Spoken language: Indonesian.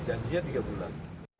janjinya tiga bulan